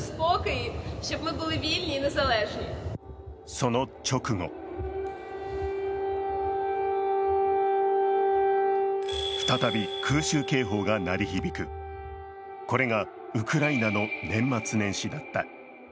その直後再び空襲警報が鳴り響く、これがウクライナの年末年始だった。